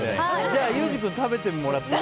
じゃあ、ユージ君食べてもらって。